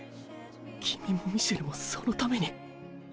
君もミシェルもそのために。